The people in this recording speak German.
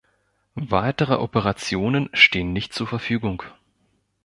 Weitere Operationen stehen nicht zur Verfügung.